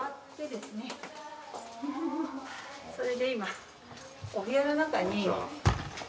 それで今お部屋の中に。